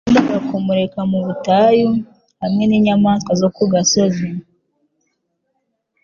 Yagombaga kumureka mu butayu hamwe n'inyamaswa zo ku gasozi,